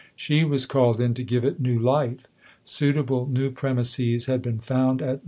She was called in to give it new life. Suitable new premises had been found at No.